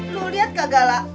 lu liat gak gak lah